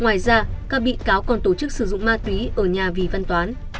ngoài ra các bị cáo còn tổ chức sử dụng ma túy ở nhà vị văn toán